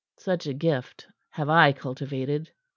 Such a gift have I cultivated.